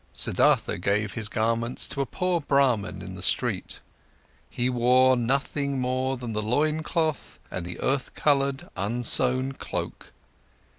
Siddhartha gave his garments to a poor Brahman in the street. He wore nothing more than the loincloth and the earth coloured, unsown cloak.